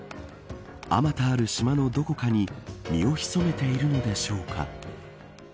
あまたある島のどこかに身を潜めているのでしょうか。